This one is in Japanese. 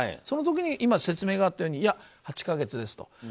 その時に今、説明があったようにいや、８か月ですと。